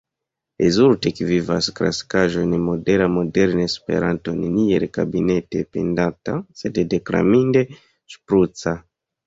Rezulte: ekvivas klasikaĵo en modela, moderna Esperanto – neniel kabinete pedanta sed deklaminde ŝpruca.